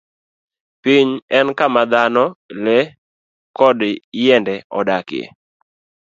Piny en kama dhano, le, kod yiende odakie.